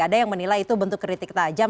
ada yang menilai itu bentuk kritik tajam